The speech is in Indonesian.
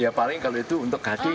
ya paling kalau itu untuk gadis